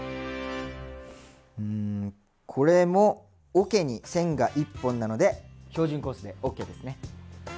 うんこれもおけに線が１本なので標準コースでＯＫですね！